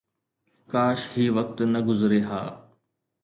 ڪاش هي وقت نه گذري ها